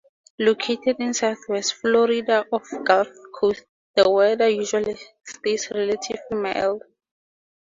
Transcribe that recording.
Located in southwest Florida on the Gulf Coast, the weather usually stays relatively mild.